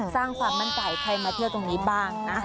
สร้างความมั่นใจใครมาเที่ยวตรงนี้บ้างนะ